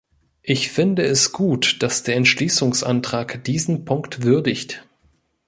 Ich finde es gut, dass der Entschließungsantrag diesen Punkt würdigt.